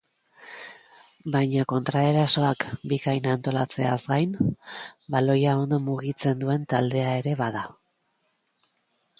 Baina kontraerasoak bikain antolatzeaz gain, baloia ondo mugitzen duen taldea ere bada.